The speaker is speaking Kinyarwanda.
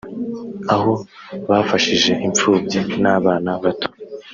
aho bafashije imfubyi n’abana bato